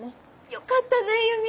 よかったねゆみ！